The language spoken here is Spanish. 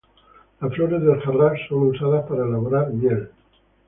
Las flores del jarrah son usadas para elaborar miel.